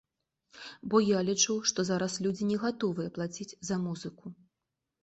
Бо я лічу, што зараз людзі не гатовыя плаціць за музыку.